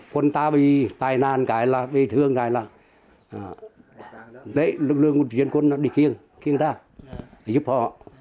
quân ta bị tài nạn bị thương để lực lượng của chiến quân đi kiêng kiêng ta giúp họ